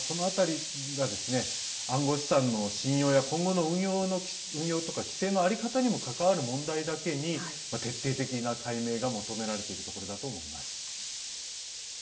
その辺りが、暗号資産の信用や今後の運用とか規制の在り方にも関わる問題だけに徹底的な解明が求められているところだと思います。